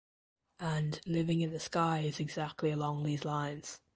And "Living in the Sky" is exactly along these lines.